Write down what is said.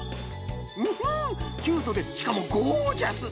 むふキュートでしかもゴージャス！